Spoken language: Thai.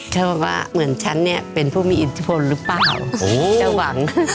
เธอบอกว่าเหมือนฉันเนี่ยเป็นผู้มีอิทธิพลหรือเปล่าจะหวัง